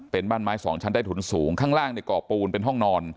เป็นบ้านไม้สองชั้นได้ถุนสูงข้างล่างในก่อปูนเป็นห้องนอน